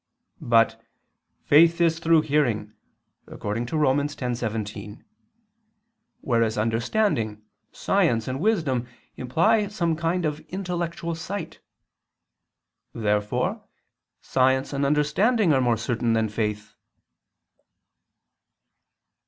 But "faith is through hearing" according to Rom. 10:17; whereas understanding, science and wisdom imply some kind of intellectual sight. Therefore science and understanding are more certain than faith.